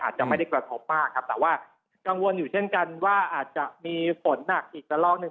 อาจจะไม่ได้กระทบมากครับแต่ว่ากังวลอยู่เช่นกันว่าอาจจะมีฝนหนักอีกละลอกหนึ่ง